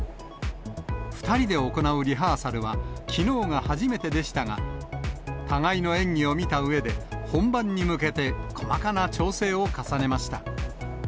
２人で行うリハーサルは、きのうが初めてでしたが、互いの演技を見たうえで、本番に向けて細かな調整を重ねました。